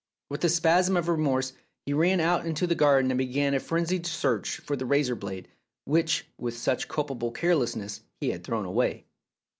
With a spasm of remorse he ran out into the garden and began a frenzied search for the razor blade which with such culpable carelessness he had thrown away.